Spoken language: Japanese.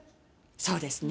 そうですね。